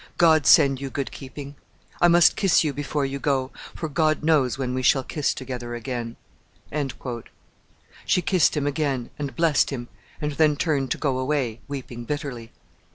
God send you good keeping. I must kiss you before you go, for God knows when we shall kiss together again." She kissed him again and blessed him, and then turned to go away, weeping bitterly.